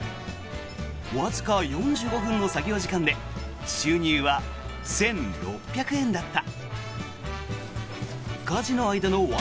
わずか４５分の作業時間で収入は１６００円だった。